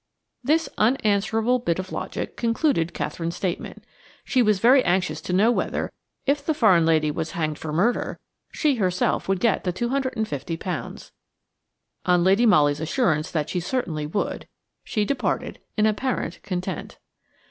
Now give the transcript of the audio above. This unanswerable bit of logic concluded Katherine's statement. She was very anxious to know whether, if the foreign lady was hanged for murder, she herself would get the £250. On Lady Molly's assurance that she certainly would, she departed in apparent content.